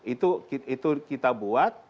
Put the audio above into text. itu kita buat